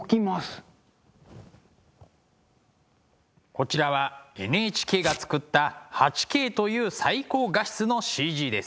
こちらはＮＨＫが作った８Ｋという最高画質のＣＧです。